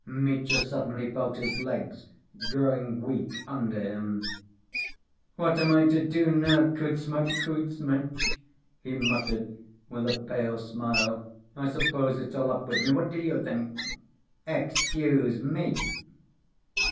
Mitya suddenly felt his legs growing weak under him. "What am I to do now, Kuzma Kuzmitch?" he muttered, with a pale smile. "I suppose it's all up with me—what do you think?" "Excuse me...."